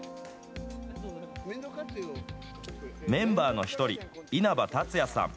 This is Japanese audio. メンバーの１人、稲葉達也さん。